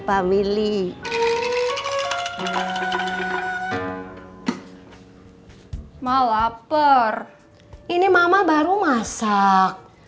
family malaper ini mama baru masak